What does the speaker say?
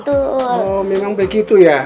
oh memang begitu ya